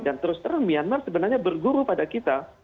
dan terus terang myanmar sebenarnya berguru pada kita